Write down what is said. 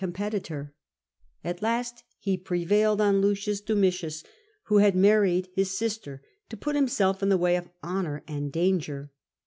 222 CATO At last he prevailed on Lucius Dotnitius, who had married his sister, to put himself in the way of honour and danger.